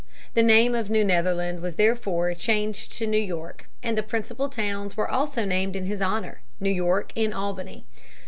The name of New Netherland was therefore changed to New York, and the principal towns were also named in his honor, New York and Albany.